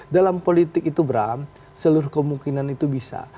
dalam politik itu bram seluruh kemungkinan itu bisa